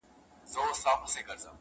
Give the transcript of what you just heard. کيسې د پروني ماښام د جنگ در اچوم